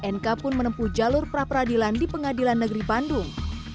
nk pun menempuh jalur pra peradilan di pengadilan negeri bandung